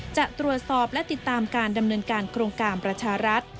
จะตรวจสอบและติดตามการดำเนินการโครงการประชารัฐ